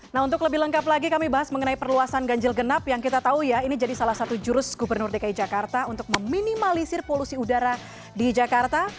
nah untuk lebih lengkap lagi kami bahas mengenai perluasan ganjil genap yang kita tahu ya ini jadi salah satu jurus gubernur dki jakarta untuk meminimalisir polusi udara di jakarta